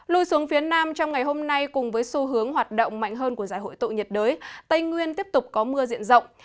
lui xuống phía nam trong ngày hôm nay cùng với xu hướng hoạt động mạnh hơn của giải hội tụ nhiệt đới tây nguyên tiếp tục có mưa diện rộng